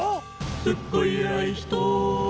「すっごいえらい人」